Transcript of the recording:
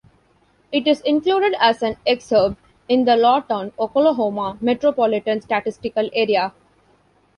It is included as an exurb in the Lawton, Oklahoma, Metropolitan Statistical Area.